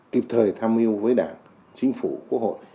kịp thời tham mưu với đảng chính phủ quốc hội